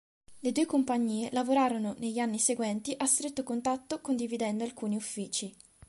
Le due compagnie lavorarono negli anni seguenti a stretto contatto condividendo alcuni uffici.